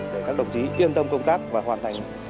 để các đồng chí yên tâm công tác và hoàn thành